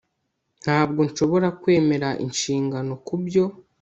Ntabwo nshobora kwemera inshingano kubyo